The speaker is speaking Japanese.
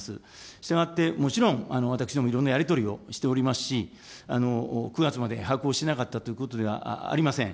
したがってもちろん、私どもいろんなやり取りをしておりますし、９月までに把握をしていなかったということではありません。